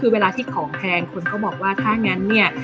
คือเวลาที่ของแพงคนเขาบอกว่าถ้างั้นเนี่ย